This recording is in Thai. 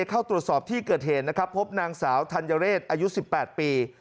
เข้าตรวจสอบที่เกิดเหตุนะครับพบนางสาวธัญเรศอายุ๑๘ปี